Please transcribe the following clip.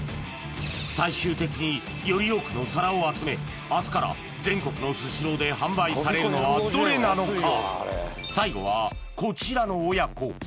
最終的により多くの皿を集め明日から全国のスシローで販売されるのはどれなのか？